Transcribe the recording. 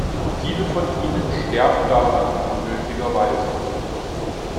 Viele von ihnen sterben daran unnötigerweise.